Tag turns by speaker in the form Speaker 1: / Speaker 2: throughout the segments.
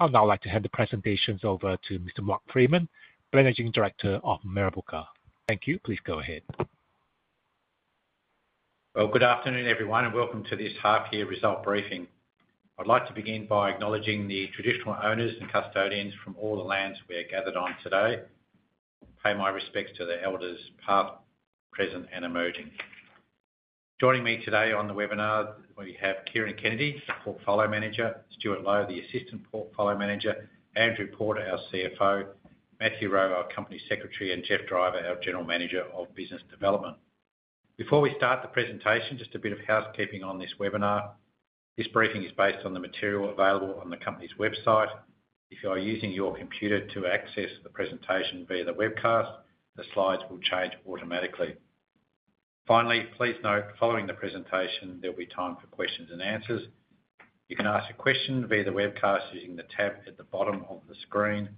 Speaker 1: I'd now like to hand the presentations over to Mr. Mark Freeman, Managing Director of Mirrabooka. Thank you, please go ahead.
Speaker 2: Good afternoon, everyone, and welcome to this half-year result briefing. I'd like to begin by acknowledging the traditional owners and custodians from all the lands we are gathered on today. Pay my respects to the elders past, present, and emerging. Joining me today on the webinar, we have Kieran Kennedy, the Portfolio Manager, Stuart Low, the Assistant Portfolio Manager, Andrew Porter, our CFO, Matthew Rowe, our Company Secretary, and Geoff Driver, our General Manager of Business Development. Before we start the presentation, just a bit of housekeeping on this webinar. This briefing is based on the material available on the company's website. If you are using your computer to access the presentation via the webcast, the slides will change automatically. Finally, please note, following the presentation, there'll be time for questions and answers. You can ask a question via the webcast using the tab at the bottom of the screen.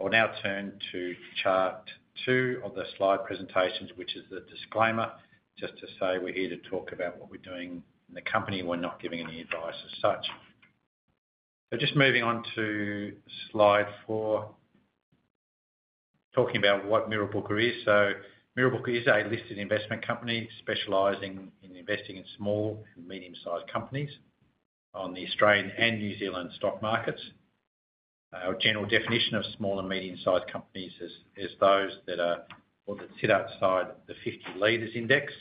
Speaker 2: I'll now turn to chart two of the slide presentations, which is the disclaimer, just to say we're here to talk about what we're doing in the company. We're not giving any advice as such, so just moving on to slide four, talking about what Mirrabooka is, so Mirrabooka is a Listed Investment Company specializing in investing in small and medium-sized companies on the Australian and New Zealand stock markets. Our general definition of small and medium-sized companies is those that sit outside the 50 Leaders Index,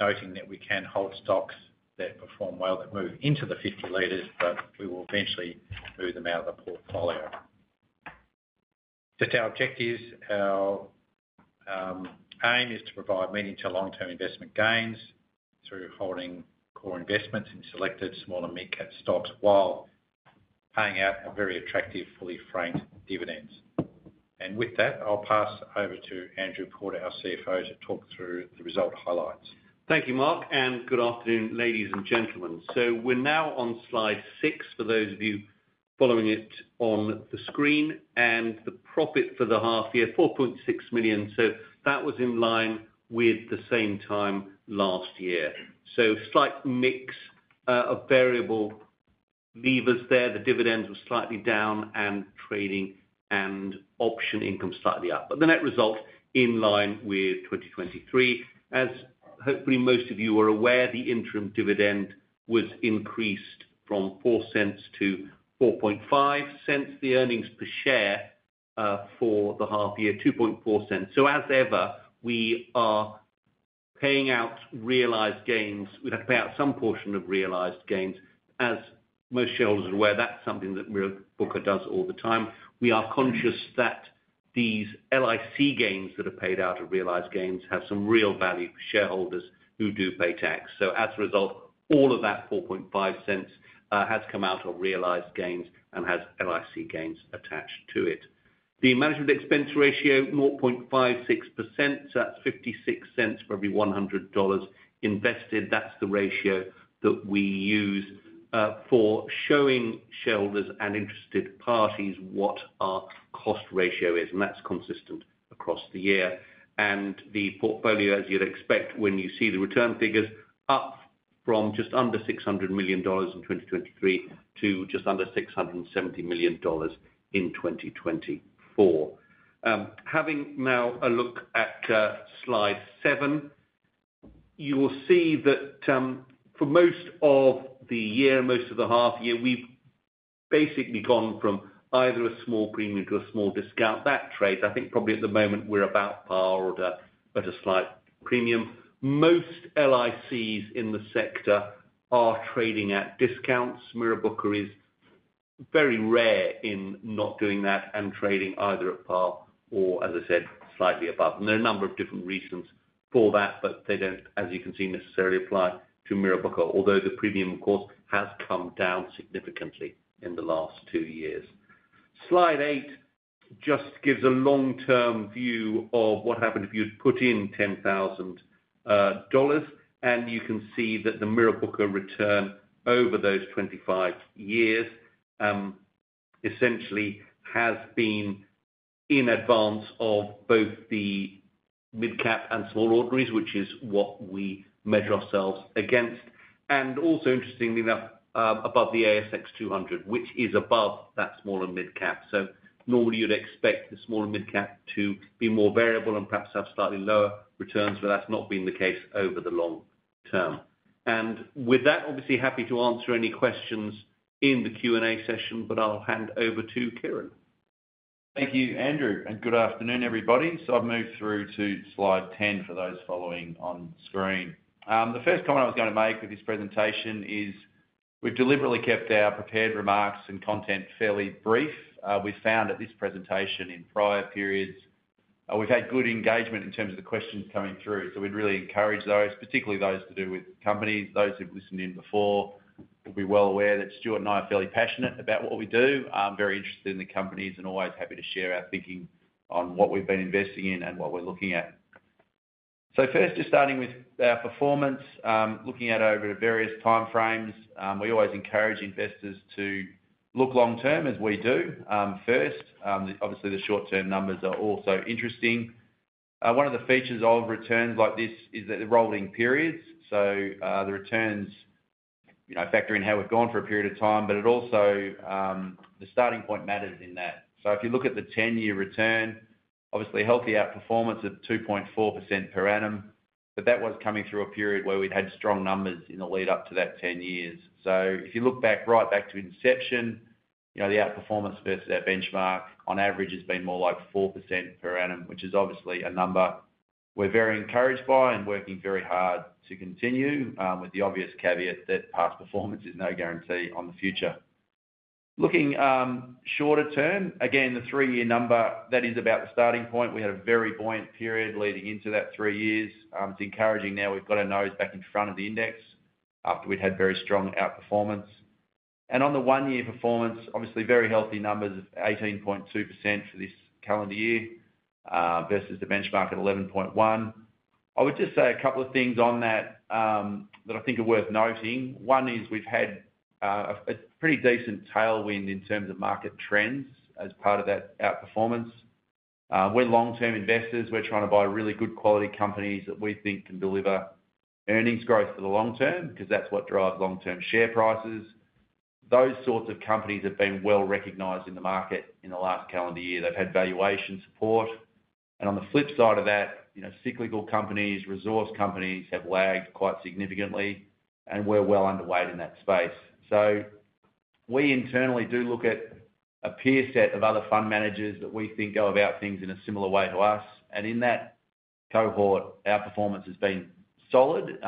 Speaker 2: noting that we can hold stocks that perform well, that move into the 50 Leaders Index, but we will eventually move them out of the portfolio. Just our objectives, our aim is to provide medium- to long-term investment gains through holding core investments in selected small- and mid-cap stocks while paying out very attractive, fully-franked dividends, and with that, I'll pass over to Andrew Porter, our CFO, to talk through the result highlights.
Speaker 3: Thank you, Mark, and good afternoon, ladies and gentlemen. So we're now on slide six for those of you following it on the screen, and the profit for the half-year, 4.6 million. So that was in line with the same time last year. So slight mix of variable levers there. The dividends were slightly down and trading and option income slightly up. But the net result in line with 2023. As hopefully most of you are aware, the interim dividend was increased from 0.04 to 0.05. The earnings per share for the half-year, 0.024. So as ever, we are paying out realized gains. We have to pay out some portion of realized gains. As most shareholders are aware, that's something that Mirrabooka does all the time. We are conscious that these LIC gains that are paid out of realized gains have some real value for shareholders who do pay tax. So as a result, all of that $0.045 has come out of realized gains and has LIC gains attached to it. The management expense ratio, 0.56%, so that's 56 cents for every $100 invested. That's the ratio that we use for showing shareholders and interested parties what our cost ratio is, and that's consistent across the year, and the portfolio, as you'd expect when you see the return figures, up from just under $600 million in 2023 to just under $670 million in 2024. Having now a look at slide seven, you will see that for most of the year, most of the half-year, we've basically gone from either a small premium to a small discount. That trades, I think, probably at the moment we're about par order at a slight premium. Most LICs in the sector are trading at discounts. Mirrabooka is very rare in not doing that and trading either at par or, as I said, slightly above. There are a number of different reasons for that, but they don't, as you can see, necessarily apply to Mirrabooka, although the premium, of course, has come down significantly in the last two years. Slide eight just gives a long-term view of what happened if you'd put in $10,000, and you can see that the Mirrabooka return over those 25 years essentially has been in advance of both the mid-cap and Small Ordinaries, which is what we measure ourselves against. Also, interestingly enough, above the ASX 200, which is above that small and mid-cap. So normally you'd expect the small and mid-cap to be more variable and perhaps have slightly lower returns, but that's not been the case over the long term. And with that, obviously happy to answer any questions in the Q&A session, but I'll hand over to Kieran.
Speaker 4: Thank you, Andrew, and good afternoon, everybody. So I've moved through to slide 10 for those following on screen. The first comment I was going to make with this presentation is we've deliberately kept our prepared remarks and content fairly brief. We found at this presentation in prior periods, we've had good engagement in terms of the questions coming through, so we'd really encourage those, particularly those to do with companies. Those who've listened in before will be well aware that Stuart and I are fairly passionate about what we do. I'm very interested in the companies and always happy to share our thinking on what we've been investing in and what we're looking at. So first, just starting with our performance, looking out over various time frames, we always encourage investors to look long-term as we do first. Obviously, the short-term numbers are also interesting. One of the features of returns like this is that they're rolling periods, so the returns factor in how we've gone for a period of time, but it also the starting point matters in that. So if you look at the 10-year return, obviously healthy outperformance of 2.4% per annum, but that was coming through a period where we'd had strong numbers in the lead-up to that 10 years. So if you look back right back to inception, the outperformance versus our benchmark on average has been more like 4% per annum, which is obviously a number we're very encouraged by and working very hard to continue with the obvious caveat that past performance is no guarantee on the future. Looking shorter term, again, the three-year number, that is about the starting point. We had a very buoyant period leading into that three years. It's encouraging now we've got our nose back in front of the index after we'd had very strong outperformance. And on the one-year performance, obviously very healthy numbers of 18.2% for this calendar year versus the benchmark at 11.1%. I would just say a couple of things on that that I think are worth noting. One is we've had a pretty decent tailwind in terms of market trends as part of that outperformance. We're long-term investors. We're trying to buy really good quality companies that we think can deliver earnings growth for the long term because that's what drives long-term share prices. Those sorts of companies have been well recognised in the market in the last calendar year. They've had valuation support. And on the flip side of that, cyclical companies, resource companies have lagged quite significantly, and we're well underweight in that space. We internally do look at a peer set of other fund managers that we think go about things in a similar way to us. And in that cohort, our performance has been solid,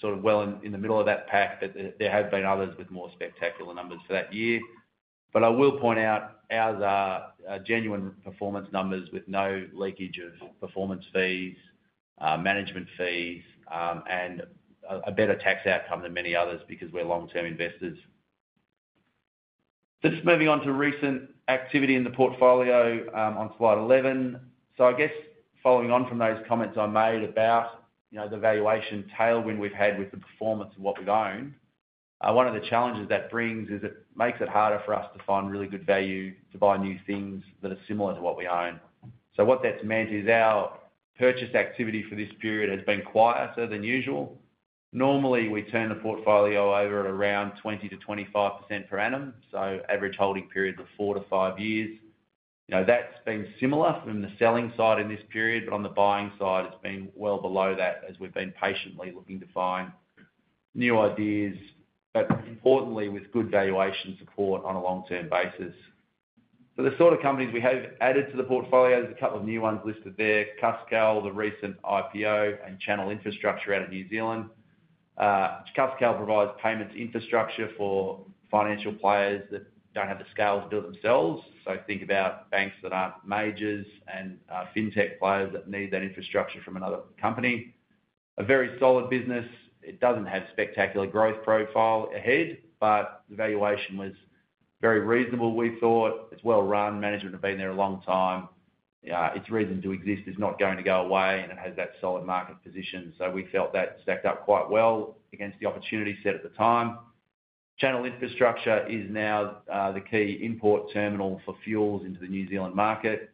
Speaker 4: sort of well in the middle of that pack, but there have been others with more spectacular numbers for that year. But I will point out our genuine performance numbers with no leakage of performance fees, management fees, and a better tax outcome than many others because we're long-term investors. Just moving on to recent activity in the portfolio on slide 11. So I guess following on from those comments I made about the valuation tailwind we've had with the performance of what we've owned, one of the challenges that brings is it makes it harder for us to find really good value to buy new things that are similar to what we own. So what that's meant is our purchase activity for this period has been quieter than usual. Normally, we turn the portfolio over at around 20%-25% per annum, so average holding periods of four to five years. That's been similar from the selling side in this period, but on the buying side, it's been well below that as we've been patiently looking to find new ideas, but importantly, with good valuation support on a long-term basis. So the sort of companies we have added to the portfolio is a couple of new ones listed there: Cuscal, the recent IPO, and Channel Infrastructure out of New Zealand. Cuscal provides payments infrastructure for financial players that don't have the scale to do it themselves. So think about banks that aren't majors and fintech players that need that infrastructure from another company. A very solid business. It doesn't have spectacular growth profile ahead, but the valuation was very reasonable, we thought. It's well-run. Management have been there a long time. Its reason to exist is not going to go away, and it has that solid market position. So we felt that stacked up quite well against the opportunity set at the time. Channel Infrastructure is now the key import terminal for fuels into the New Zealand market.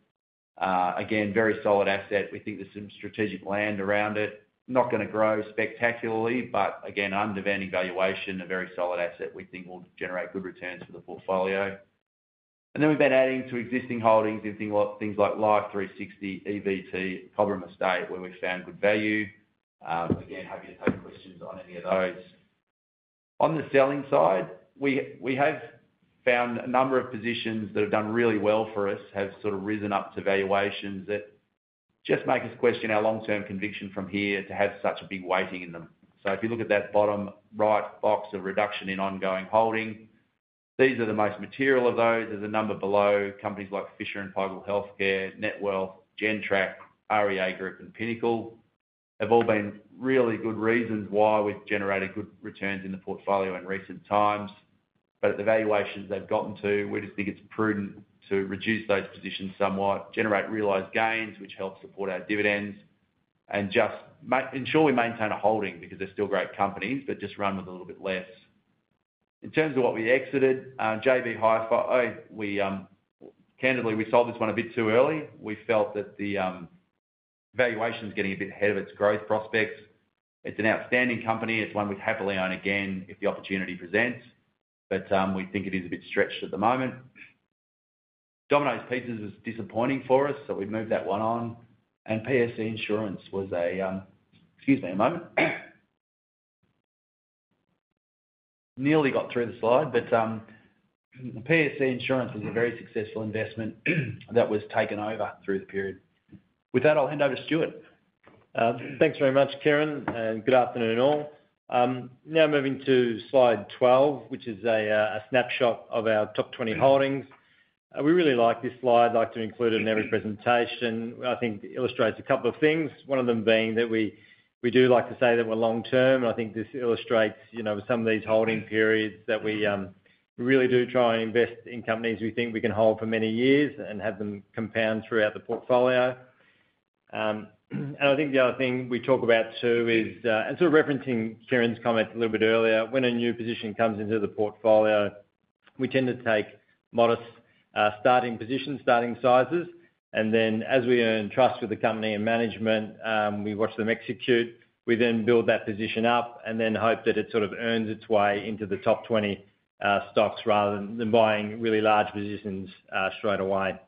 Speaker 4: Again, very solid asset. We think there's some strategic land around it. Not going to grow spectacularly, but again, understanding valuation, a very solid asset we think will generate good returns for the portfolio. And then we've been adding to existing holdings in things like Life360, EVT, Cobram Estate, where we found good value. Again, happy to take questions on any of those. On the selling side, we have found a number of positions that have done really well for us, have sort of risen up to valuations that just make us question our long-term conviction from here to have such a big weighting in them. So if you look at that bottom right box of reduction in ongoing holding, these are the most material of those. There's a number below. Companies like Fisher & Paykel Healthcare, Netwealth, Gentrack, REA Group, and Pinnacle have all been really good reasons why we've generated good returns in the portfolio in recent times. But at the valuations they've gotten to, we just think it's prudent to reduce those positions somewhat, generate realised gains, which helps support our dividends, and just ensure we maintain a holding because they're still great companies, but just run with a little bit less. In terms of what we exited, JB Hi-Fi, candidly, we sold this one a bit too early. We felt that the valuation's getting a bit ahead of its growth prospects. It's an outstanding company. It's one we'd happily own again if the opportunity presents, but we think it is a bit stretched at the moment. Domino's Pizza was disappointing for us, so we moved that one on. And PSC Insurance was a—excuse me a moment. Nearly got through the slide, but PSC Insurance was a very successful investment that was taken over through the period. With that, I'll hand over to Stuart.
Speaker 5: Thanks very much, Kieran, and good afternoon all. Now moving to slide 12, which is a snapshot of our top 20 holdings. We really like this slide. I'd like to include it in every presentation. I think it illustrates a couple of things. One of them being that we do like to say that we're long-term, and I think this illustrates some of these holding periods that we really do try and invest in companies we think we can hold for many years and have them compound throughout the portfolio. And I think the other thing we talk about too is, and sort of referencing Kieran's comment a little bit earlier, when a new position comes into the portfolio, we tend to take modest starting positions, starting sizes, and then as we earn trust with the company and management, we watch them execute. We then build that position up and then hope that it sort of earns its way into the top 20 stocks rather than buying really large positions straight away.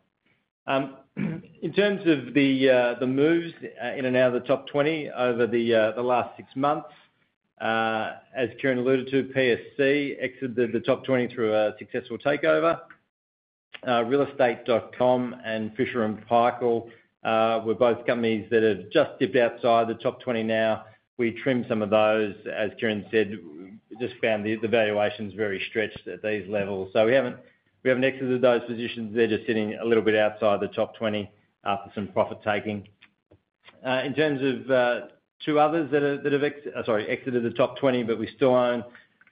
Speaker 5: In terms of the moves in and out of the top 20 over the last six months, as Kieran alluded to, PSC exited the top 20 through a successful takeover. REA Group and Fisher & Paykel were both companies that have just dipped outside the top 20 now. We trimmed some of those, as Kieran said, just found the valuations very stretched at these levels, so we haven't exited those positions. They're just sitting a little bit outside the top 20 after some profit taking. In terms of two others that have exited the top 20, but we still own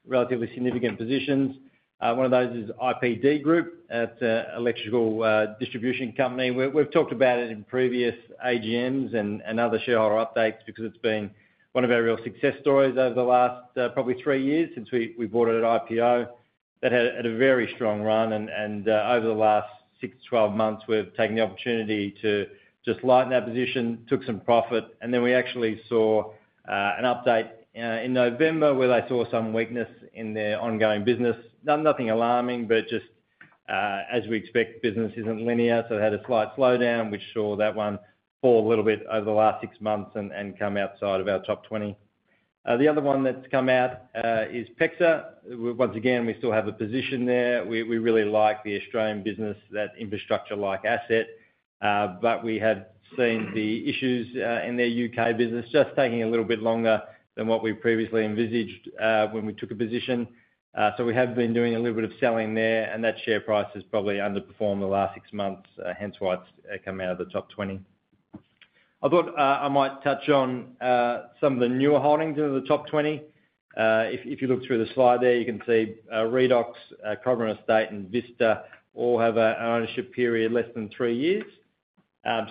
Speaker 5: relatively significant positions. One of those is IPD Group. It's an electrical distribution company. We've talked about it in previous AGMs and other shareholder updates because it's been one of our real success stories over the last probably three years since we bought it at IPO. That had a very strong run, and over the last six to 12 months, we've taken the opportunity to just lighten our position, took some profit, and then we actually saw an update in November where they saw some weakness in their ongoing business. Nothing alarming, but just as we expect, business isn't linear, so it had a slight slowdown, which saw that one fall a little bit over the last six months and come outside of our top 20. The other one that's come out is PEXA. Once again, we still have a position there. We really like the Australian business, that infrastructure-like asset, but we had seen the issues in their UK business just taking a little bit longer than what we previously envisaged when we took a position. So we have been doing a little bit of selling there, and that share price has probably underperformed the last six months, hence why it's come out of the top 20. I thought I might touch on some of the newer holdings in the top 20. If you look through the slide there, you can see Redox, Cobram Estate, and Vista all have an ownership period less than three years.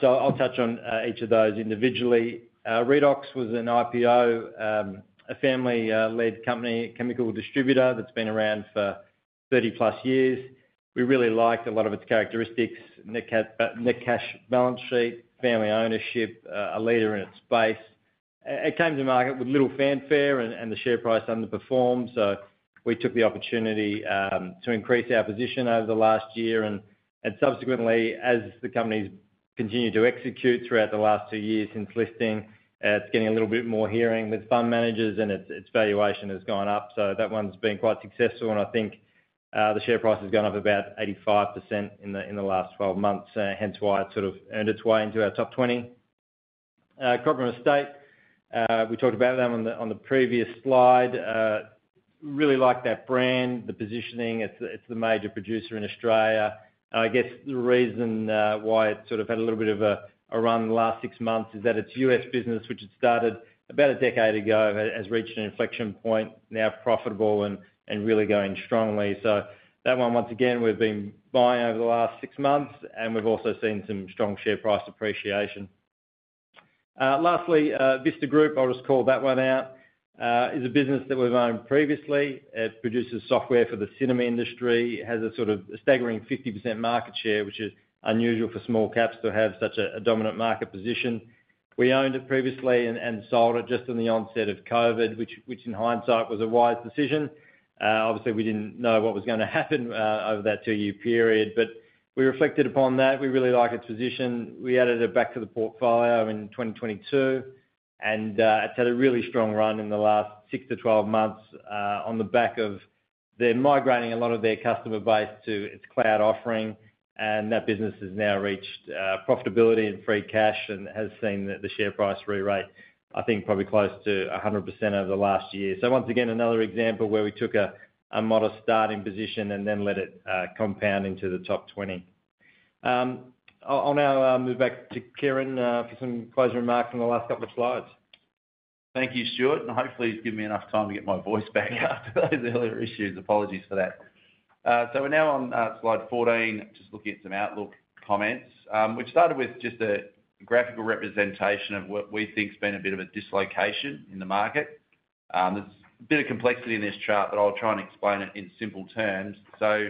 Speaker 5: So I'll touch on each of those individually. Redox was an IPO, a family-led company, chemical distributor that's been around for 30 plus years. We really liked a lot of its characteristics: net cash balance sheet, family ownership, a leader in its space. It came to market with little fanfare and the share price underperformed, so we took the opportunity to increase our position over the last year and subsequently, as the company's continued to execute throughout the last two years since listing, it's getting a little bit more hearing with fund managers and its valuation has gone up. So that one's been quite successful, and I think the share price has gone up about 85% in the last 12 months, hence why it sort of earned its way into our top 20. Cobram Estate, we talked about them on the previous slide. Really liked that brand, the positioning. It's the major producer in Australia. I guess the reason why it's sort of had a little bit of a run the last six months is that its U.S. business, which it started about a decade ago, has reached an inflection point, now profitable and really going strongly, so that one, once again, we've been buying over the last six months, and we've also seen some strong share price appreciation. Lastly, Vista Group, I'll just call that one out, is a business that we've owned previously. It produces software for the cinema industry. It has a sort of staggering 50% market share, which is unusual for small caps to have such a dominant market position. We owned it previously and sold it just in the onset of COVID, which in hindsight was a wise decision. Obviously, we didn't know what was going to happen over that two-year period, but we reflected upon that. We really like its position. We added it back to the portfolio in 2022, and it's had a really strong run in the last six to 12 months on the back of them migrating a lot of their customer base to its cloud offering, and that business has now reached profitability and free cash and has seen the share price re-rate, I think probably close to 100% over the last year, so once again, another example where we took a modest starting position and then let it compound into the top 20. I'll now move back to Kieran for some closing remarks on the last couple of slides.
Speaker 4: Thank you, Stuart, and hopefully, you've given me enough time to get my voice back after those earlier issues. Apologies for that, so we're now on slide 14, just looking at some Outlook comments. We've started with just a graphical representation of what we think has been a bit of a dislocation in the market. There's a bit of complexity in this chart, but I'll try and explain it in simple terms, so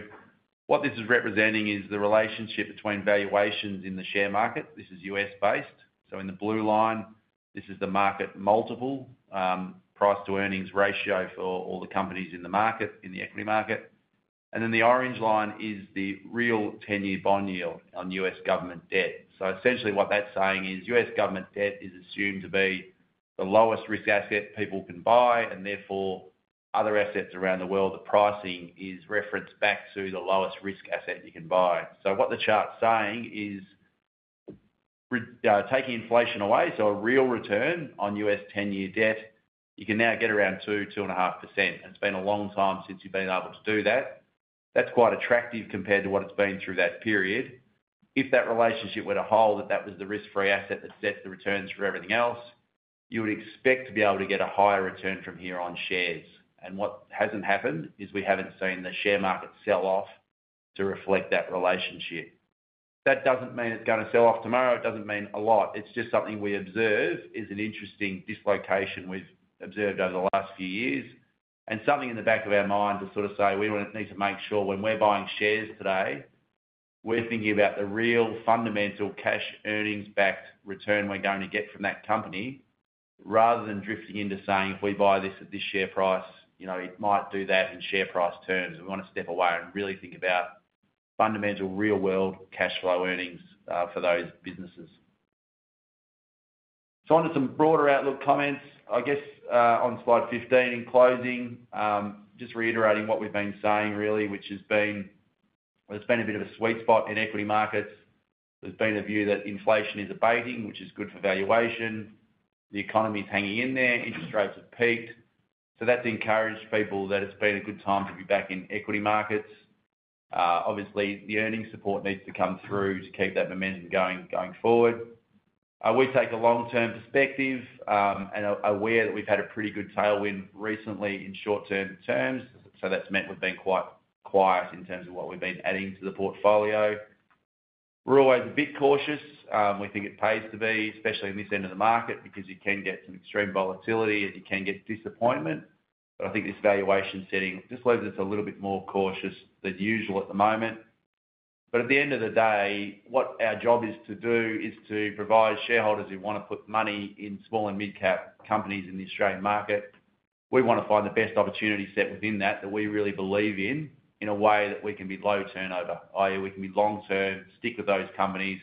Speaker 4: what this is representing is the relationship between valuations in the share market. This is U.S.-based, so in the blue line, this is the market multiple price-to-earnings ratio for all the companies in the market, in the equity market, and then the orange line is the real 10-year bond yield on U.S. government debt. So essentially, what that's saying is U.S. government debt is assumed to be the lowest risk asset people can buy, and therefore, other assets around the world, the pricing is referenced back to the lowest risk asset you can buy, so what the chart's saying is taking inflation away, so a real return on U.S. 10-year debt, you can now get around 2-2.5%. It's been a long time since you've been able to do that. That's quite attractive compared to what it's been through that period. If that relationship were to hold, that was the risk-free asset that sets the returns for everything else, you would expect to be able to get a higher return from here on shares, and what hasn't happened is we haven't seen the share market sell off to reflect that relationship. That doesn't mean it's going to sell off tomorrow. It doesn't mean a lot. It's just something we observe is an interesting dislocation we've observed over the last few years, and something in the back of our mind to sort of say, we need to make sure when we're buying shares today, we're thinking about the real fundamental cash earnings-backed return we're going to get from that company, rather than drifting into saying, if we buy this at this share price, it might do that in share price terms. We want to step away and really think about fundamental real-world cash flow earnings for those businesses, so on to some broader outlook comments. I guess on slide 15 in closing, just reiterating what we've been saying, really, which has been there's been a bit of a sweet spot in equity markets. There's been a view that inflation is abating, which is good for valuation. The economy's hanging in there. Interest rates have peaked, so that's encouraged people that it's been a good time to be back in equity markets. Obviously, the earnings support needs to come through to keep that momentum going forward. We take a long-term perspective and are aware that we've had a pretty good tailwind recently in short-term terms, so that's meant we've been quite quiet in terms of what we've been adding to the portfolio. We're always a bit cautious. We think it pays to be, especially in this end of the market, because you can get some extreme volatility and you can get disappointment, but I think this valuation setting just leaves us a little bit more cautious than usual at the moment, but at the end of the day, what our job is to do is to provide shareholders who want to put money in small and mid-cap companies in the Australian market. We want to find the best opportunity set within that that we really believe in, in a way that we can be low turnover, i.e., we can be long-term, stick with those companies,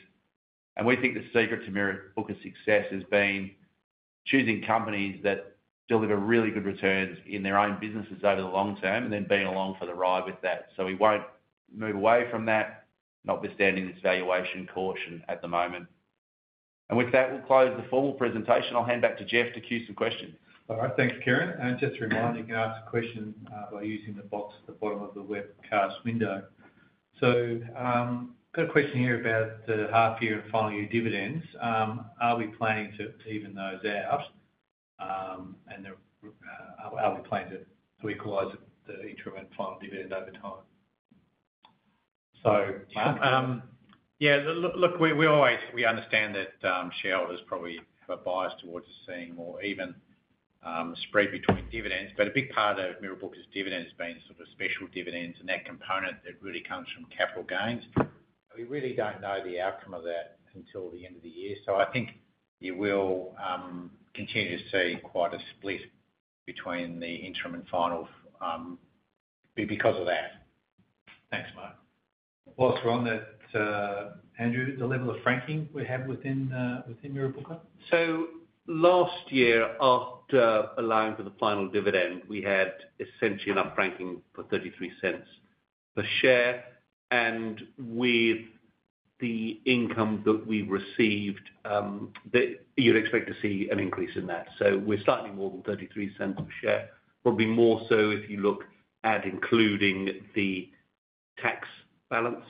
Speaker 4: and we think the secret to Mirrabooka's success has been choosing companies that deliver really good returns in their own businesses over the long term and then being along for the ride with that, so we won't move away from that, notwithstanding this valuation caution at the moment, and with that, we'll close the formal presentation. I'll hand back to Geoff to cue some questions.
Speaker 6: All right. Thank you, Kieran. And just to remind you, you can ask a question by using the box at the bottom of the webcast window. So I've got a question here about the half-year and final-year dividends. Are we planning to even those out? And how are we planning to equalize the incremental final dividend over time?
Speaker 2: Yeah. Look, we understand that shareholders probably have a bias towards just seeing more even spread between dividends, but a big part of Mirrabooka's dividends has been sort of special dividends, and that component, it really comes from capital gains. We really don't know the outcome of that until the end of the year. So I think you will continue to see quite a split between the interim and final because of that. Thanks, Mark.
Speaker 6: While we're on that, Andrew, the level of franking we have within Mirrabooka?
Speaker 3: So last year, after allowing for the final dividend, we had essentially an upfranking for 0.33 per share. And with the income that we've received, you'd expect to see an increase in that. So we're slightly more than 0.33 per share, probably more so if you look at including the tax balance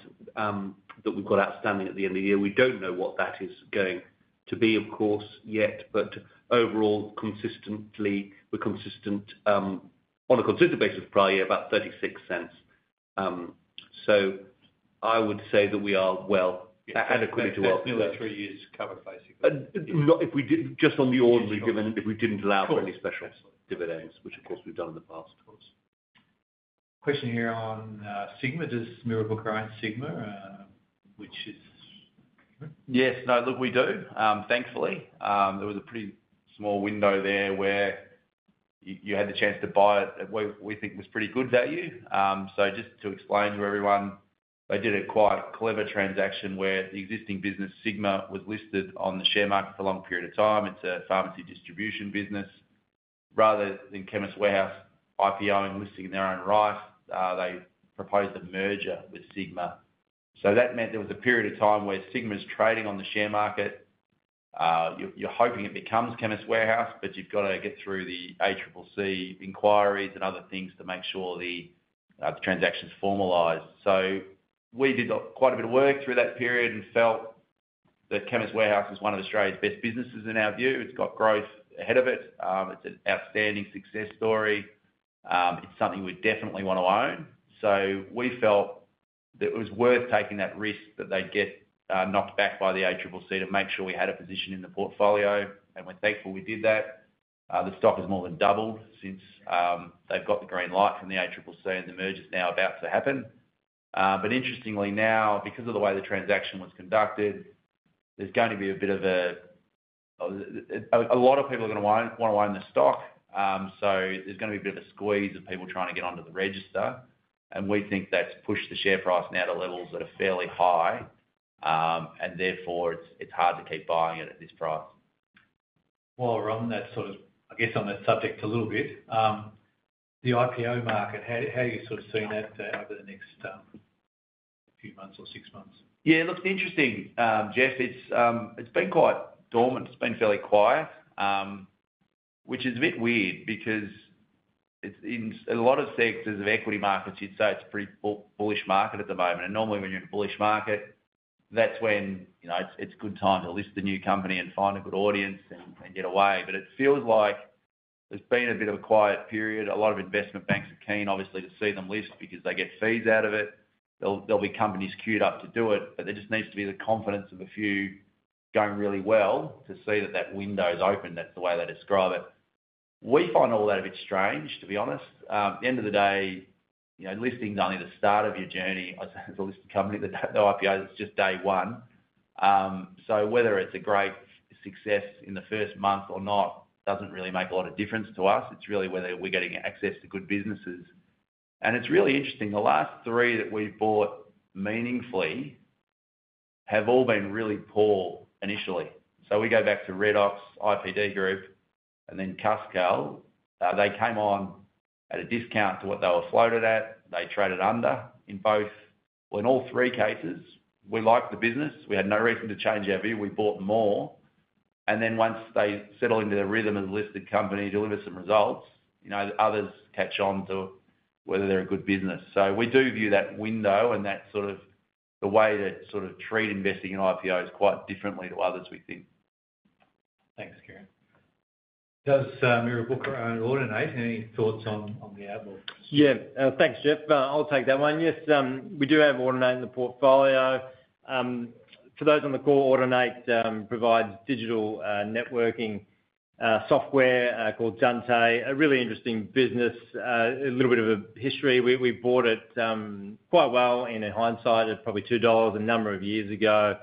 Speaker 3: that we've got outstanding at the end of the year. We don't know what that is going to be, of course, yet, but overall, we're consistent on a consistent basis for the prior year, about 0.36. So I would say that we are well adequately to our expectations.
Speaker 6: That's really just covered basically.
Speaker 3: Just on the ordinary, given that we didn't allow for any special dividends, which, of course, we've done in the past, of course.
Speaker 6: Question here on Sigma. Does Mirrabooka own Sigma, which is different?
Speaker 4: Yes. No, look, we do, thankfully. There was a pretty small window there where you had the chance to buy it at what we think was pretty good value. So just to explain to everyone, they did a quite clever transaction where the existing business, Sigma, was listed on the share market for a long period of time. It's a pharmacy distribution business. Rather than Chemist Warehouse IPOing and listing in their own right, they proposed a merger with Sigma. So that meant there was a period of time where Sigma's trading on the share market. You're hoping it becomes Chemist Warehouse, but you've got to get through the ACCC inquiries and other things to make sure the transaction's formalized. So we did quite a bit of work through that period and felt that Chemist Warehouse was one of Australia's best businesses in our view. It's got growth ahead of it. It's an outstanding success story. It's something we definitely want to own. So we felt that it was worth taking that risk that they'd get knocked back by the ACCC to make sure we had a position in the portfolio, and we're thankful we did that. The stock has more than doubled since they've got the green light from the ACCC, and the merger's now about to happen. But interestingly now, because of the way the transaction was conducted, there's going to be a bit of a lot of people are going to want to own the stock. So there's going to be a bit of a squeeze of people trying to get onto the register, and we think that's pushed the share price now to levels that are fairly high, and therefore, it's hard to keep buying it at this price.
Speaker 6: While we're on that, sort of, I guess, on that subject a little bit, the IPO market, how are you sort of seeing that over the next few months or six months?
Speaker 2: Yeah. Look, it's interesting, Geoff. It's been quite dormant. It's been fairly quiet, which is a bit weird because in a lot of sectors of equity markets, you'd say it's a pretty bullish market at the moment. And normally, when you're in a bullish market, that's when it's a good time to list the new company and find a good audience and get away. But it feels like there's been a bit of a quiet period. A lot of investment banks are keen, obviously, to see them list because they get fees out of it. There'll be companies queued up to do it, but there just needs to be the confidence of a few going really well to see that that window's open. That's the way they describe it. We find all that a bit strange, to be honest. At the end of the day, listing's only the start of your journey as a listed company. The IPO, it's just day one. So whether it's a great success in the first month or not doesn't really make a lot of difference to us. It's really whether we're getting access to good businesses, and it's really interesting. The last three that we've bought meaningfully have all been really poor initially, so we go back to Redox, IPD Group, and then Cuscal. They came on at a discount to what they were floated at. They traded under in both, well, in all three cases, we liked the business. We had no reason to change our view. We bought more, and then once they settle into their rhythm as a listed company, deliver some results, others catch on to whether they're a good business. So we do view that window and that sort of the way to sort of treat investing in IPOs quite differently to others, we think.
Speaker 6: Thanks, Kieran. Does Mirrabooka own Audinate? Any thoughts on the outlook?
Speaker 4: Yeah. Thanks, Geoff. I'll take that one. Yes, we do have Audinate in the portfolio. For those on the call, Audinate provides digital networking software called Dante. A really interesting business, a little bit of a history. We bought it quite well in hindsight at probably 2 dollars a number of years ago,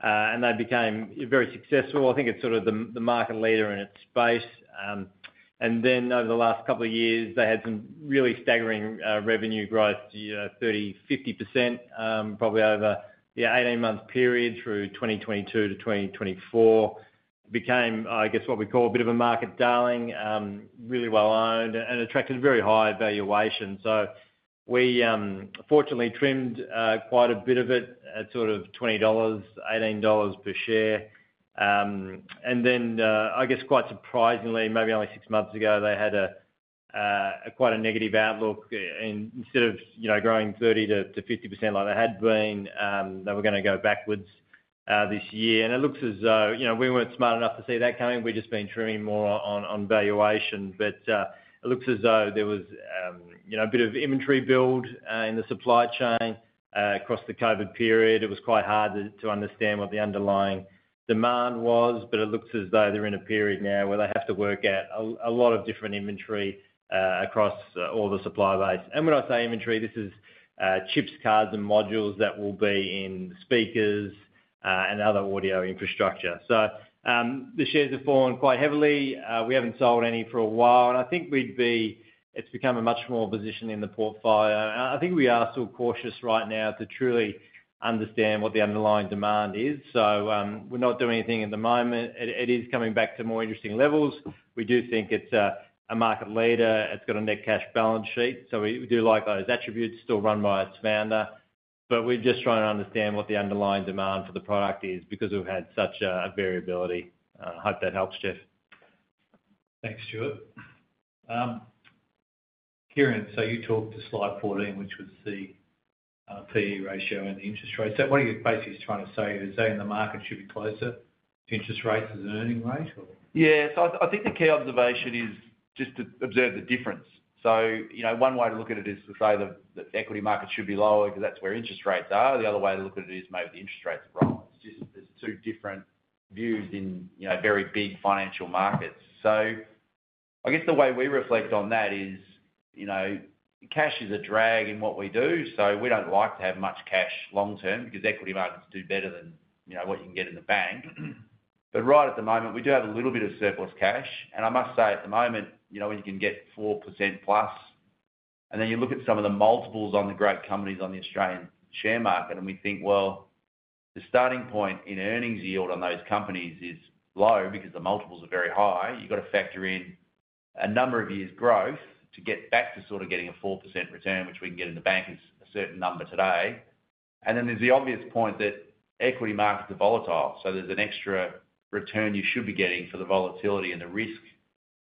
Speaker 4: and they became very successful. I think it's sort of the market leader in its space. And then over the last couple of years, they had some really staggering revenue growth, 30%-50%, probably over the 18-month period through 2022 to 2024. It became, I guess, what we call a bit of a market darling, really well owned, and attracted very high valuation. So we fortunately trimmed quite a bit of it at sort of 20-18 dollars per share. And then, I guess, quite surprisingly, maybe only six months ago, they had quite a negative outlook. Instead of growing 30%-50% like they had been, they were going to go backwards this year. And it looks as though we weren't smart enough to see that coming. We've just been trimming more on valuation. But it looks as though there was a bit of inventory build in the supply chain across the COVID period. It was quite hard to understand what the underlying demand was, but it looks as though they're in a period now where they have to work off a lot of different inventory across all the supply base. And when I say inventory, this is chips, cards, and modules that will be in speakers and other audio infrastructure. So the shares have fallen quite heavily. We haven't sold any for a while. And I think it's become a much more position in the portfolio. I think we are still cautious right now to truly understand what the underlying demand is. So we're not doing anything at the moment. It is coming back to more interesting levels. We do think it's a market leader. It's got a net cash balance sheet. So we do like those attributes, still run by its founder. But we're just trying to understand what the underlying demand for the product is because we've had such a variability. I hope that helps, Geoff.
Speaker 6: Thanks rGeoff, Stuart
Speaker 2: Yeah. So I think the key observation is just to observe the difference. So one way to look at it is to say the equity market should be lower because that's where interest rates are. The other way to look at it is maybe the interest rates are wrong. It's just there's two different views in very big financial markets. So I guess the way we reflect on that is cash is a drag in what we do. So we don't like to have much cash long-term because equity markets do better than what you can get in the bank. But right at the moment, we do have a little bit of surplus cash. And I must say, at the moment, when you can get 4% plus, and then you look at some of the multiples on the great companies on the Australian share market, and we think, well, the starting point in earnings yield on those companies is low because the multiples are very high. You've got to factor in a number of years' growth to get back to sort of getting a 4% return, which we can get in the bank is a certain number today. And then there's the obvious point that equity markets are volatile. So there's an extra return you should be getting for the volatility and the risk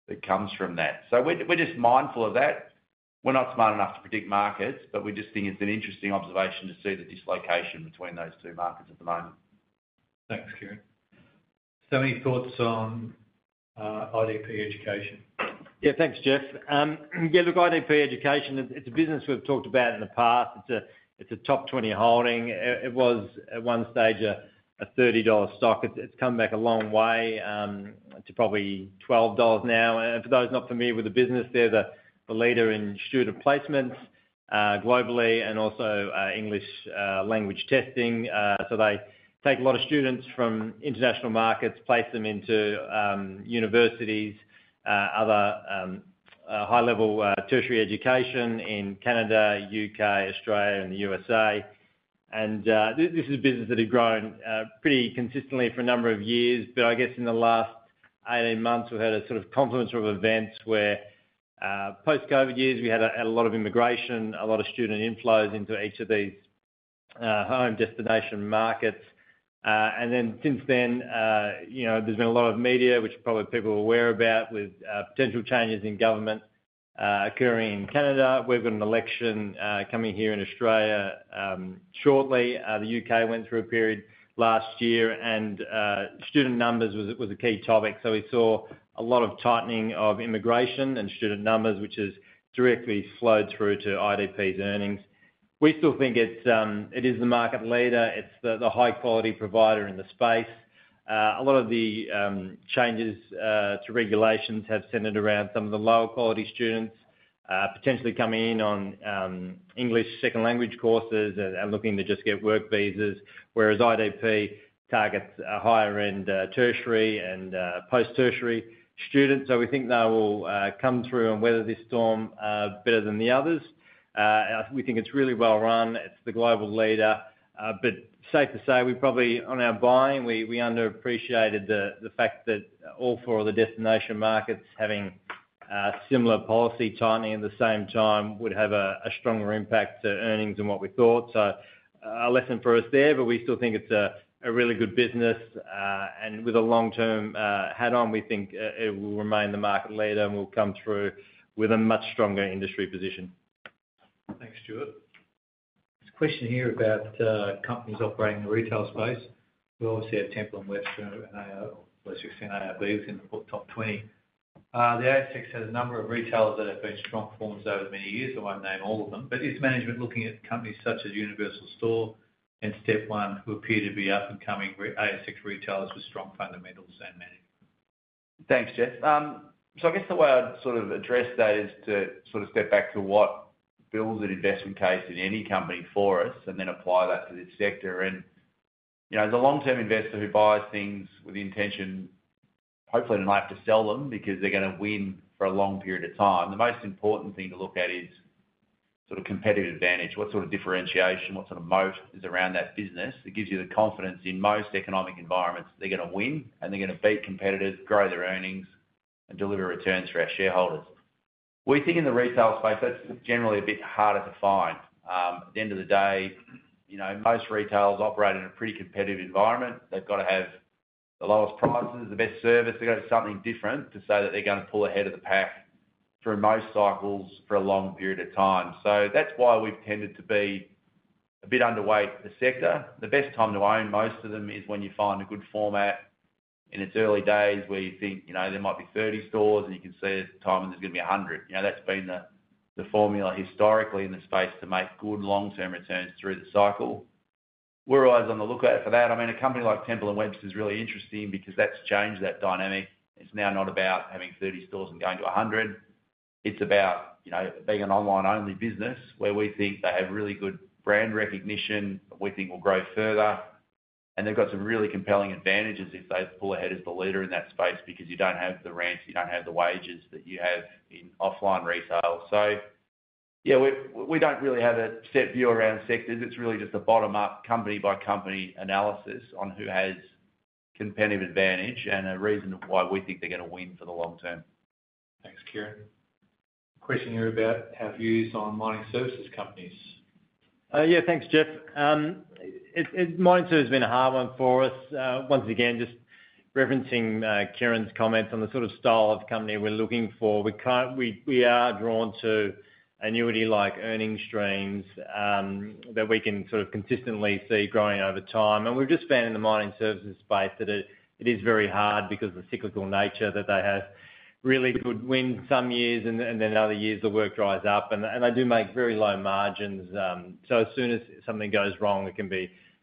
Speaker 2: that comes from that. So we're just mindful of that. We're not smart enough to predict markets, but we just think it's an interesting observation to see the dislocation between those two markets at the moment.
Speaker 6: Thanks, Kieran. So any thoughts on IDP Education?
Speaker 4: Yeah. Thanks, Geoff. Yeah. Look, IDP Education, it's a business we've talked about in the past. It's a top 20 holding. It was at one stage an 30 dollar stock. It's come back a long way to probably 12 dollars now. And for those not familiar with the business, they're the leader in student placements globally and also English language testing. So they take a lot of students from international markets, place them into universities, other high-level tertiary education in Canada, U.K., Australia, and the U.S.A. And this is a business that had grown pretty consistently for a number of years. But I guess in the last 18 months, we've had a sort of confluence of events where post-COVID years, we had a lot of immigration, a lot of student inflows into each of these home destination markets. And then since then, there's been a lot of media, which probably people are aware about, with potential changes in government occurring in Canada. We've got an election coming here in Australia shortly. The U.K. went through a period last year, and student numbers was a key topic. So we saw a lot of tightening of immigration and student numbers, which has directly flowed through to IDP's earnings. We still think it is the market leader. It's the high-quality provider in the space. A lot of the changes to regulations have centered around some of the lower-quality students potentially coming in on English second language courses and looking to just get work visas, whereas IDP targets a higher-end tertiary and post-tertiary students. So we think they will come through and weather this storm better than the others. We think it's really well run. It's the global leader. But safe to say, we probably, on our buying, underappreciated the fact that all four of the destination markets having similar policy tightening at the same time would have a stronger impact to earnings than what we thought. So a lesson for us there, but we still think it's a really good business. And with a long-term horizon, we think it will remain the market leader and will come through with a much stronger industry position.
Speaker 6: Thanks, Stuart. There's a question here about companies operating in the retail space. We obviously have Temple & Webster and AO, or less extreme AOB, within the top 20. The ASX has a number of retailers that have been strong performers over many years. I won't name all of them. But is management looking at companies such as Universal Store and Step One, who appear to be up-and-coming ASX retailers with strong fundamentals and management?
Speaker 2: Thanks, Geoff. So I guess the way I'd sort of address that is to sort of step back to what builds an investment case in any company for us and then apply that to this sector. And as a long-term investor who buys things with the intention, hopefully, they don't have to sell them because they're going to win for a long period of time, the most important thing to look at is sort of competitive advantage. What sort of differentiation, what sort of moat is around that business that gives you the confidence in most economic environments they're going to win, and they're going to beat competitors, grow their earnings, and deliver returns for our shareholders? We think in the retail space, that's generally a bit harder to find. At the end of the day, most retailers operate in a pretty competitive environment. They've got to have the lowest prices, the best service. They've got to do something different to say that they're going to pull ahead of the pack through most cycles for a long period of time. So that's why we've tended to be a bit underweight the sector. The best time to own most of them is when you find a good format in its early days where you think there might be 30 stores and you can see at the time when there's going to be 100. That's been the formula historically in the space to make good long-term returns through the cycle. We're always on the lookout for that. I mean, a company like Temple & Webster is really interesting because that's changed that dynamic. It's now not about having 30 stores and going to 100. It's about being an online-only business where we think they have really good brand recognition, we think will grow further. And they've got some really compelling advantages if they pull ahead as the leader in that space because you don't have the rent, you don't have the wages that you have in offline retail. So yeah, we don't really have a set view around sectors. It's really just a bottom-up company-by-company analysis on who has competitive advantage and a reason why we think they're going to win for the long term.
Speaker 6: Thanks, Kieran. Question here about how views on mining services companies.
Speaker 4: Thanks, Kieran. Question here about how views on mining services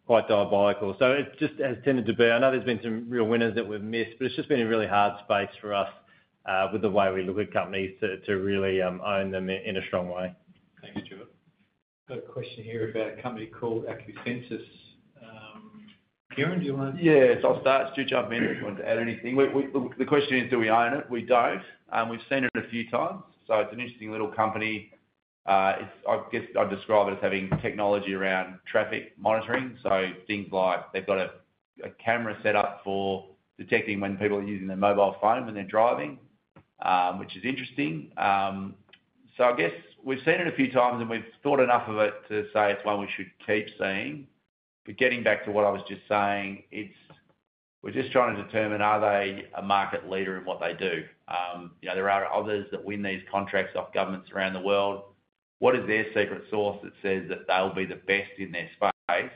Speaker 4: companies.
Speaker 6: Thank you, Stuart. Got a question here about a company called Acusensus. Kieran, do you want to?
Speaker 4: Yeah. So I'll start. Stuart, jump in if you want to add anything. The question is, do we own it? We don't. We've seen it a few times. So it's an interesting little company. I guess I'd describe it as having technology around traffic monitoring. So things like they've got a camera set up for detecting when people are using their mobile phone when they're driving, which is interesting. So I guess we've seen it a few times and we've thought enough of it to say it's one we should keep seeing. But getting back to what I was just saying, we're just trying to determine, are they a market leader in what they do? There are others that win these contracts off governments around the world. What is their secret sauce that says that they'll be the best in their space?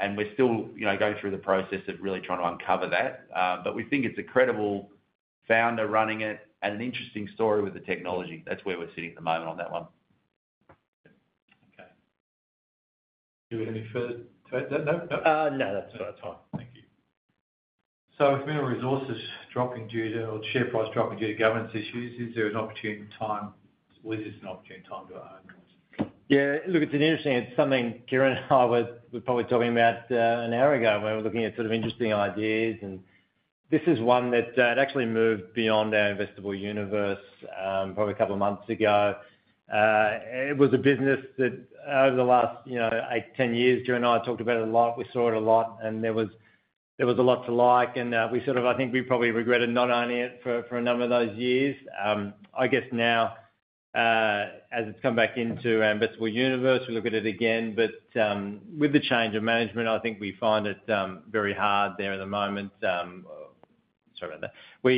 Speaker 4: We're still going through the process of really trying to uncover that. We think it's a credible founder running it and an interesting story with the technology. That's where we're sitting at the moment on that one.
Speaker 6: Okay. Do we have any further?
Speaker 2: No. No.
Speaker 6: No. That's about time. Thank you. So if Mineral Resources dropping due to or share price dropping due to governance issues, is there an opportune time? Is this an opportune time to own?
Speaker 2: Yeah. Look, it's interesting. It's something Kieran and I were probably talking about an hour ago when we were looking at sort of interesting ideas, and this is one that actually moved beyond our investable universe probably a couple of months ago. It was a business that over the last eight, 10 years, Kieran and I talked about it a lot. We saw it a lot, and there was a lot to like, and we sort of, I think we probably regretted not owning it for a number of those years. I guess now, as it's come back into our investable universe, we look at it again, but with the change of management, I think we find it very hard there at the moment. Sorry about that.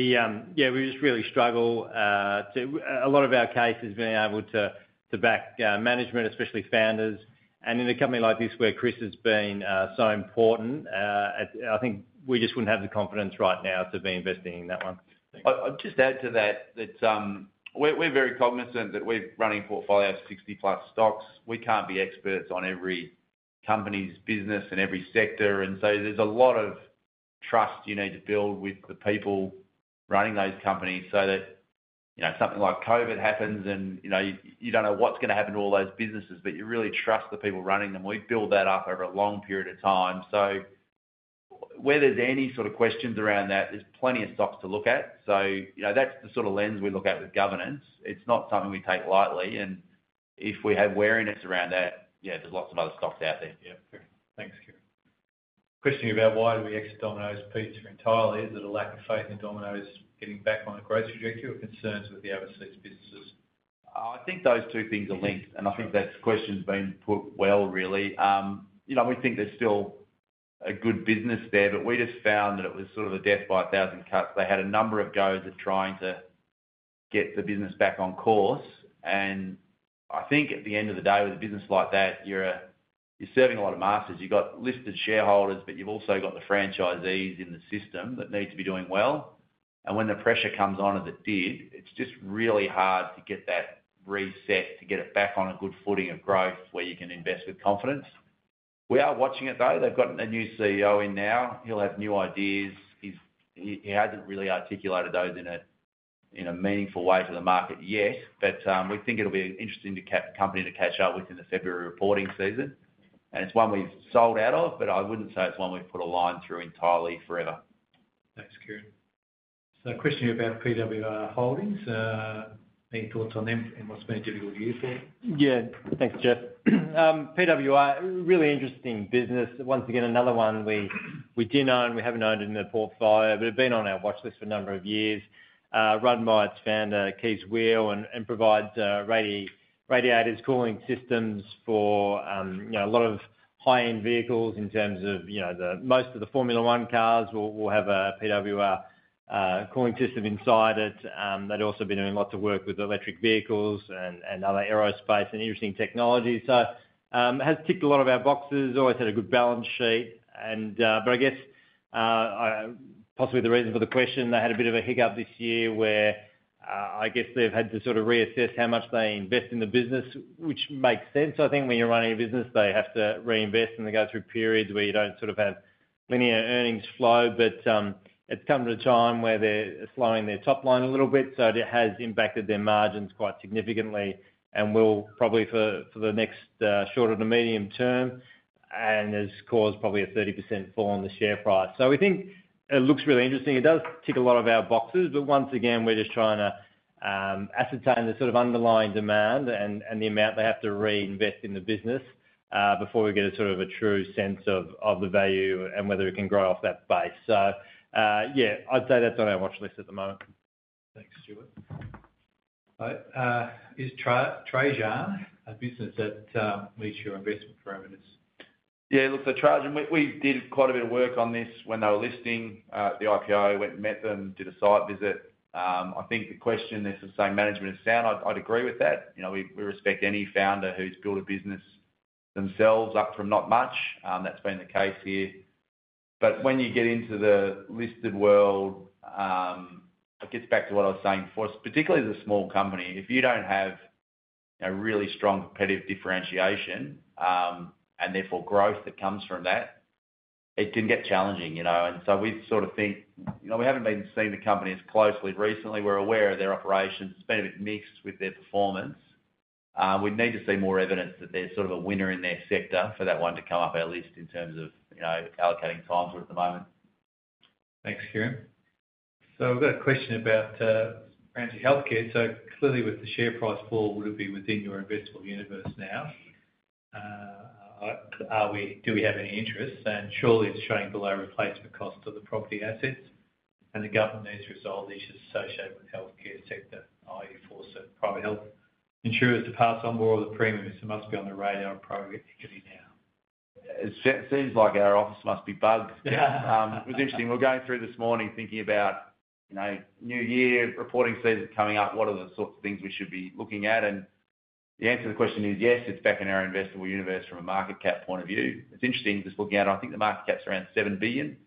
Speaker 2: Yeah. We just really struggle, a lot of our case has been the ability to back management, especially founders. And in a company like this where Chris has been so important, I think we just wouldn't have the confidence right now to be investing in that one. I'd just add to that that we're very cognizant that we're running portfolio 60-plus stocks. We can't be experts on every company's business and every sector. And so there's a lot of trust you need to build with the people running those companies so that something like COVID happens and you don't know what's going to happen to all those businesses, but you really trust the people running them. We've built that up over a long period of time. So where there's any sort of questions around that, there's plenty of stocks to look at. So that's the sort of lens we look at with governance. It's not something we take lightly. If we have weariness around that, yeah, there's lots of other stocks out there.
Speaker 6: Yeah. Thanks, Kieran. Question here about why do we exit Domino's Pizza entirely? Is it a lack of faith in Domino's getting back on the growth trajectory or concerns with the overseas businesses?
Speaker 2: I think those two things are linked. And I think that question's been put well, really. We think there's still a good business there, but we just found that it was sort of a death by a thousand cuts. They had a number of goes at trying to get the business back on course. And I think at the end of the day, with a business like that, you're serving a lot of masters. You've got listed shareholders, but you've also got the franchisees in the system that need to be doing well. And when the pressure comes on as it did, it's just really hard to get that reset to get it back on a good footing of growth where you can invest with confidence. We are watching it, though. They've got a new CEO in now. He'll have new ideas. He hasn't really articulated those in a meaningful way to the market yet. But we think it'll be an interesting company to catch up with in the February reporting season. And it's one we've sold out of, but I wouldn't say it's one we've put a line through entirely forever.
Speaker 6: Thanks, Kieran. So question here about PWR Holdings. Any thoughts on them and what's been a difficult year for them?
Speaker 4: Yeah. Thanks, Geoff. PWR, really interesting business. Once again, another one we do know and we haven't owned in the portfolio, but have been on our watch list for a number of years. PWR's founder Kees Weel and provides radiators, cooling systems for a lot of high-end vehicles in terms of most of the Formula 1 cars will have a PWR cooling system inside it. They've also been doing lots of work with electric vehicles and other aerospace and interesting technologies. So it has ticked a lot of our boxes. Always had a good balance sheet. But I guess possibly the reason for the question, they had a bit of a hiccup this year where I guess they've had to sort of reassess how much they invest in the business, which makes sense. I think when you're running a business, they have to reinvest and they go through periods where you don't sort of have linear earnings flow, but it's come to a time where they're slowing their top line a little bit, so it has impacted their margins quite significantly and will probably for the next shorter to medium term and has caused probably a 30% fall in the share price, so we think it looks really interesting. It does tick a lot of our boxes, but once again, we're just trying to ascertain the sort of underlying demand and the amount they have to reinvest in the business before we get a sort of a true sense of the value and whether it can grow off that base, so yeah, I'd say that's on our watch list at the moment.
Speaker 6: Thanks, Stuart. All right. Is Trajan a business that meets your investment parameters?
Speaker 2: Yeah. Look, so Trajan, we did quite a bit of work on this when they were listing. The IPO went and met them, did a site visit. I think the question there is to say management is sound. I'd agree with that. We respect any founder who's built a business themselves up from not much. That's been the case here. But when you get into the listed world, it gets back to what I was saying before, particularly as a small company. If you don't have a really strong competitive differentiation and therefore growth that comes from that, it can get challenging, and so we sort of think we haven't been seeing the company as closely recently. We're aware of their operations. It's been a bit mixed with their performance. We need to see more evidence that they're sort of a winner in their sector for that one to come up our list in terms of allocating times at the moment.
Speaker 6: Thanks, Kieran. So we've got a question about Ramsay Health Care. So clearly, with the share price fall, would it be within your investable universe now? Do we have any interest? And surely it's showing below replacement cost of the property assets. And the government needs to resolve issues associated with the healthcare sector, i.e., force private health insurers to pass on more of the premiums. It must be on the radar of private equity now.
Speaker 5: It seems like our office must be bugged. It was interesting. We were going through this morning thinking about new year reporting season coming up. What are the sorts of things we should be looking at? And the answer to the question is yes, it's back in our investable universe from a market cap point of view. It's interesting just looking at it. I think the market cap's around seven billion.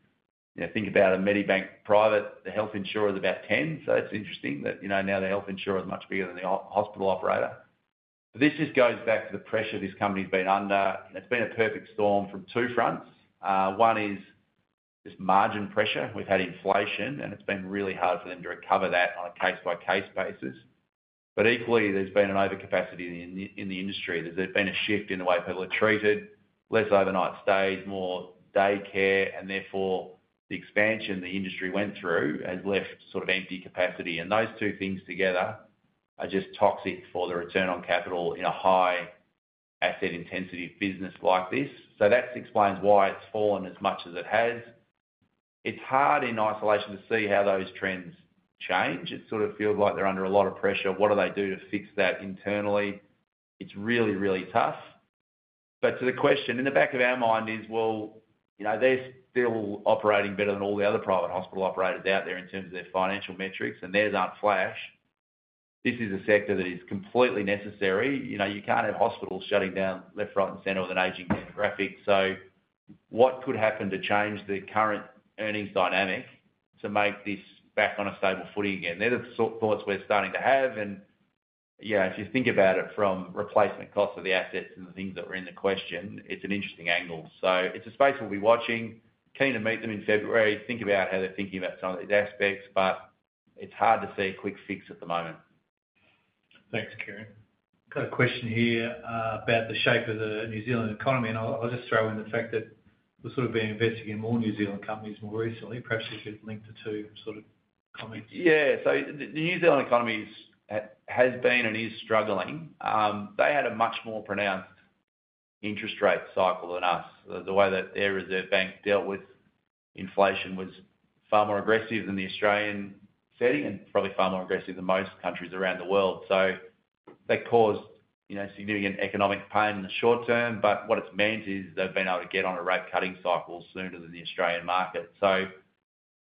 Speaker 5: Think about a Medibank Private. The health insurer is about 10. So it's interesting that now the health insurer is much bigger than the hospital operator. This just goes back to the pressure this company's been under. It's been a perfect storm from two fronts. One is just margin pressure. We've had inflation, and it's been really hard for them to recover that on a case-by-case basis. But equally, there's been an overcapacity in the industry. There's been a shift in the way people are treated, less overnight stays, more daycare, and therefore, the expansion the industry went through has left sort of empty capacity. And those two things together are just toxic for the return on capital in a high asset intensity business like this, so that explains why it's fallen as much as it has. It's hard in isolation to see how those trends change. It sort of feels like they're under a lot of pressure. What do they do to fix that internally? It's really, really tough, but to the question in the back of our mind is, well, they're still operating better than all the other private hospital operators out there in terms of their financial metrics, and theirs aren't flash. This is a sector that is completely necessary. You can't have hospitals shutting down left, right, and center with an aging demographic. So what could happen to change the current earnings dynamic to make this back on a stable footing again? They're the thoughts we're starting to have. And yeah, if you think about it from replacement costs of the assets and the things that were in the question, it's an interesting angle. So it's a space we'll be watching. Keen to meet them in February. Think about how they're thinking about some of these aspects, but it's hard to see a quick fix at the moment.
Speaker 6: Thanks, Kieran. Got a question here about the shape of the New Zealand economy, and I'll just throw in the fact that we've sort of been investigating more New Zealand companies more recently, perhaps if you'd link the two sort of comments.
Speaker 4: Yeah. So the New Zealand economy has been and is struggling. They had a much more pronounced interest rate cycle than us. The way that their Reserve Bank dealt with inflation was far more aggressive than the Australian setting and probably far more aggressive than most countries around the world. So that caused significant economic pain in the short term. But what it's meant is they've been able to get on a rate-cutting cycle sooner than the Australian market. So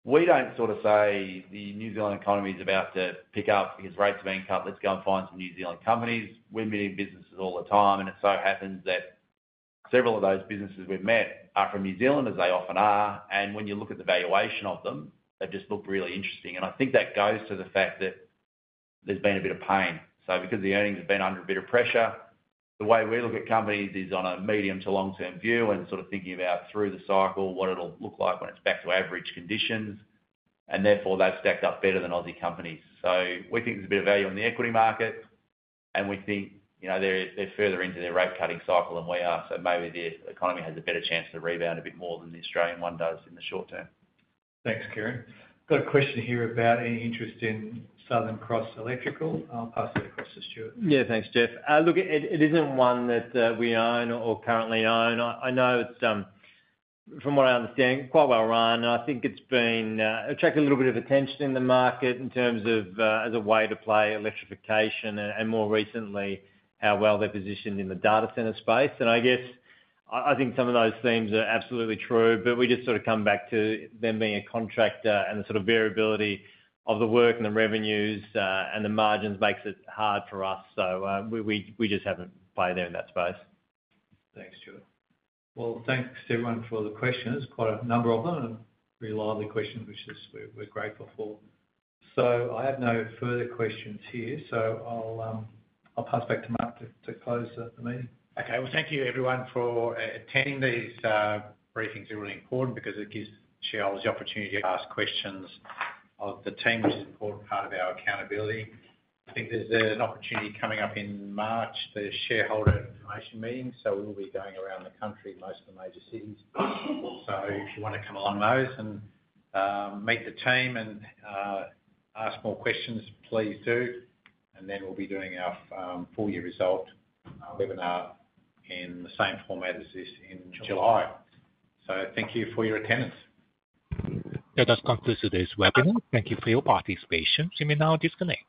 Speaker 4: we don't sort of say the New Zealand economy is about to pick up because rates are being cut. Let's go and find some New Zealand companies. We're meeting businesses all the time. And it so happens that several of those businesses we've met are from New Zealand, as they often are. And when you look at the valuation of them, they just look really interesting. I think that goes to the fact that there's been a bit of pain, so because the earnings have been under a bit of pressure, the way we look at companies is on a medium to long-term view and sort of thinking about through the cycle what it'll look like when it's back to average conditions, and therefore they've stacked up better than Aussie companies, so we think there's a bit of value on the equity market, and we think they're further into their rate-cutting cycle than we are, so maybe the economy has a better chance to rebound a bit more than the Australian one does in the short term.
Speaker 6: Thanks, Kieran. Got a question here about any interest in Southern Cross Electrical. I'll pass that across to Stuart.
Speaker 4: Yeah. Thanks, Geoff. Look, it isn't one that we own or currently own. I know it's, from what I understand, quite well run. I think it's been attracting a little bit of attention in the market in terms of as a way to play electrification and more recently how well they're positioned in the data center space. And I guess I think some of those themes are absolutely true. But we just sort of come back to them being a contractor and the sort of variability of the work and the revenues and the margins makes it hard for us. So we just haven't played there in that space.
Speaker 3: Thanks, Stuart. Well, thanks to everyone for the questions. Quite a number of them, and reliable questions, which we're grateful for. So I have no further questions here. So I'll pass back to Mark to close the meeting.
Speaker 6: Okay. Well, thank you, everyone, for attending these briefings. They're really important because it gives shareholders the opportunity to ask questions of the team, which is an important part of our accountability. I think there's an opportunity coming up in March, the shareholder information meeting. So we'll be going around the country, most of the major cities. So if you want to come along those and meet the team and ask more questions, please do. And then we'll be doing our full year result webinar in the same format as this in July. So thank you for your attendance.
Speaker 1: That does conclude today's webinar. Thank you for your participation. you may now at this disconnect.